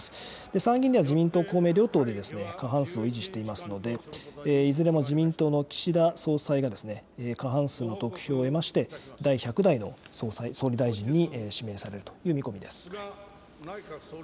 参議院では自民党、公明両党で過半数を維持していますので、いずれも自民党の岸田総裁が過半数の得票を得まして第１００代の総理大臣に指名されるという見込みです。